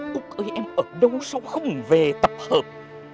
cúc ơi em ở đâu sao không về tập hợp